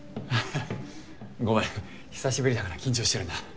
ごめん久しぶりだから緊張してるんだ。